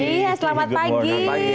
iya selamat pagi